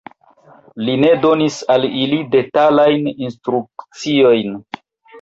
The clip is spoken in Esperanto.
Li ne donis al ili detalajn instrukciojn.